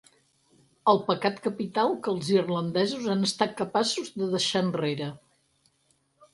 El pecat capital que els irlandesos han estat capaços de deixar enrere.